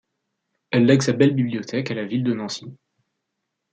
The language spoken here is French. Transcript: Elle lègue sa belle bibliothèque à la Ville de Nancy.